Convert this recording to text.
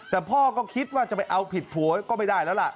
แต่พ่อก็คิดว่าจะไปเอาผิดผัวก็ไม่ได้แล้วล่ะ